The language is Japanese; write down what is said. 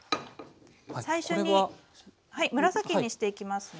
最初に紫にしていきますね。